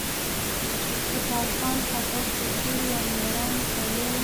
خوشحال خان خټک د توری او ميړانې سړی وه.